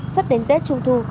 sắp đến tết trung thu